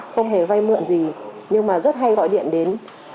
không hề vay mượn gì nhưng mà rất hay gọi điện đến